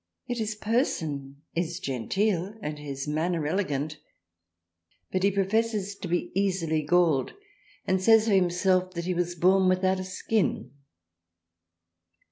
Yet his person is Genteel and his Manner elegant but he professes to be easily galled and says of himself that he was born without a skin.